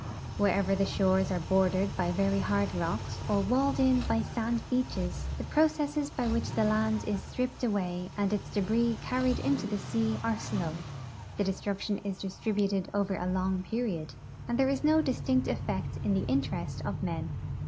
Wherever the shores are bordered by very hard rocks or walled in by sand beaches, the processes by which the land is stri}>ped away and its debris carried into the sea are slow ; the destruction is distributed over a long ])eriod, and there is no distinct effect in the interest of men.